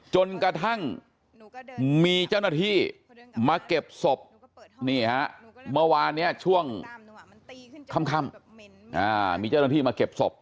จนกระทั่งมีเจ้าหน้าที่มาเก็บศพเมื่อวานเนี่ยช่วงข้ำ